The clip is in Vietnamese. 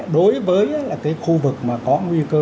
đối với cái khu vực mà có nguy cơ